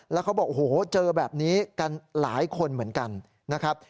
แล้วเขาบอกโอ้โหเจอแบบนี้กันหลายคนเหมือนกันนะครับ